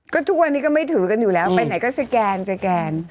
ก็ทุกวันนี้ก็ไม่ถือกันอยู่แล้วไปไหนก็สแกนสแกน